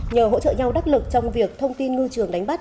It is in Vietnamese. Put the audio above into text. nhờ hỗ trợ nhau đắc lực trong việc thông tin ngư trường đánh bắt